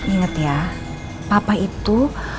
ingat ya papa itu